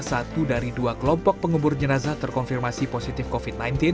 satu dari dua kelompok pengubur jenazah terkonfirmasi positif covid sembilan belas